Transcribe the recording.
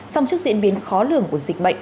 xong trước diễn biến khó lường của dịch bệnh